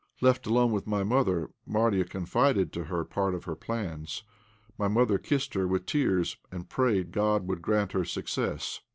Left alone with my mother, Marya confided to her part of her plans. My mother kissed her with tears, and prayed God would grant her success.